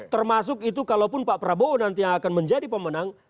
termasuk itu kalaupun pak prabowo nanti yang akan menjadi pemenang